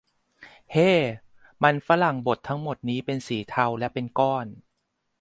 เฮ้ ! มันฝรั่งบดทั้งหมดนี้เป็นสีเทาและเป็นก้อน !